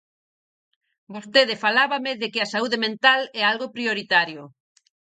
Vostede falábame de que a saúde mental é algo prioritario.